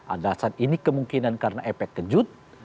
alasan ini kemungkinan karena efek kejut